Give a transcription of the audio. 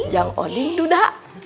yang oding duda